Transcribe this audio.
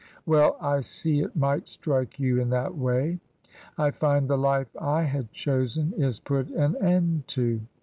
" Well ! I see it might strike you in that way." *' I find the life I had chosen is put an end to."